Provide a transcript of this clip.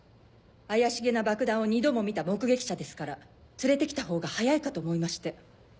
怪しげな爆弾を２度も見た目撃者ですから連れてきたほうが早いかと思いまして。